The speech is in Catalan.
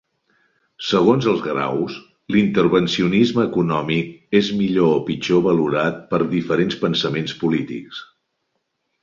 Segons els graus, l'intervencionisme econòmic és millor o pitjor valorat per diferents pensaments polítics.